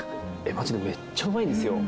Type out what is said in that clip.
マジでめっちゃうまいですよ。